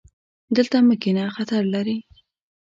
دلته مه کښېنه، خطر لري